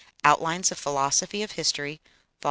("Outlines of Philosophy of History," vol.